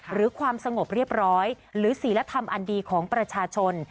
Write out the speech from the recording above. หรือความสงบเรียบร้อยหรือศิลธรรมอันดีของประชาชน